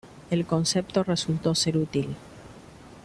El concepto resultó ser útil.